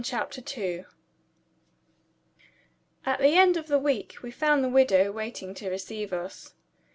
CHAPTER II At the end of the week we found the widow waiting to receive us.